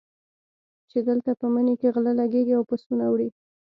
چې دلته په مني کې غله لګېږي او پسونه وړي.